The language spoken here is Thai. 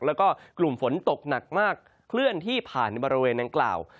แล้วก็กลุ่มฝนตกหนักมากเคลื่อนที่ผ่านในบริเวณดังกล่าว